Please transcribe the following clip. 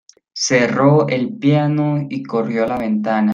Cerró el piano y corrió a la ventana.